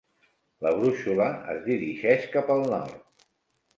La brúixola es dirigeix cap al nord.